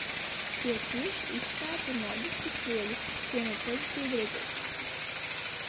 Tie ir tieši, izsvērti un loģiski soļi, kuriem ir pozitīvi rezultāti.